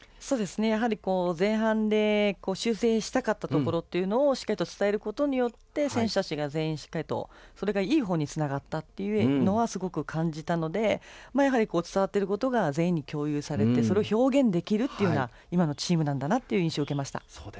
やはり、前半で修正したかったところをしっかり伝えることによって選手たちが全員にいいほうにつながったというのはすごく感じたのでやはり、伝わっていることが全員に共有されてそれを表現できるのがチームなんだなという印象を受けました。